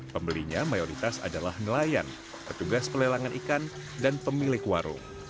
pembelinya mayoritas adalah nelayan petugas pelelangan ikan dan pemilik warung